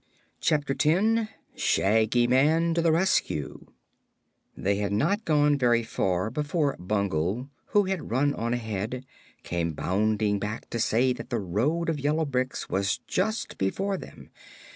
Chapter Ten Shaggy Man to the Rescue They had not gone very far before Bungle, who had run on ahead, came bounding back to say that the road of yellow bricks was just before them.